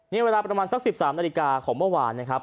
นี่เวลาประมาณสัก๑๓นาฬิกาของเมื่อวานนะครับ